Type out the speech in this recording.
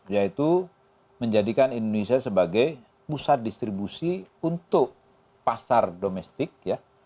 yaitu menjadikan indonesia sebagai pusat distribusi untuk pasar domestik ya